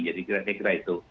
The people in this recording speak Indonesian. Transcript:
jadi saya kira itu